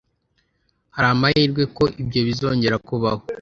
Hari amahirwe ko ibyo bizongera kubaho?